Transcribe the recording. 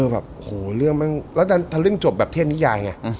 และทะลึ่งจบแบบเทพนิยาย